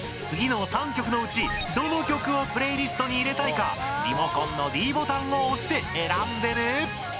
次の３曲のうちどの曲をプレイリストに入れたいかリモコンのｄボタンを押して選んでね！